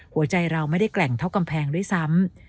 หัวใจเราไม่ได้แกร่งเท่ากำแพงด้วยซ้ำ